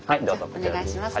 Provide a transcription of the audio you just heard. じゃお願いします。